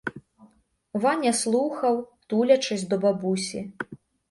Ваня слухав, тулячись до бабусі.